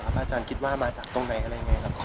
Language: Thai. พระอาจารย์คิดว่ามาจากตรงไหนอะไรยังไงครับ